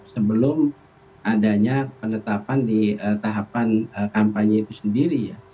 sebelum adanya penetapan di tahapan kampanye itu sendiri ya